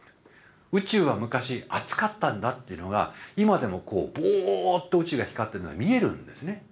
宇宙は昔熱かったんだっていうのが今でもボーッと宇宙が光ってるのが見えるんですね。